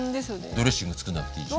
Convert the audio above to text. ドレッシングつくんなくていいでしょ？